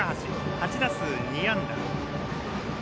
８打数２安打。